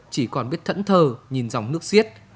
chỉ còn biết thẫn thờ nhìn dòng nước xiết